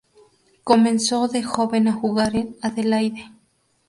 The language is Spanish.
Comenzó de joven a jugar en el Adelaide.